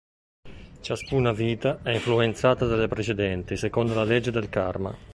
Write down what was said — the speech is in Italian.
Ciascuna vita è influenzata dalle precedenti secondo la legge del karma.